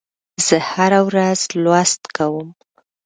زه هره ورځ لوست کوم.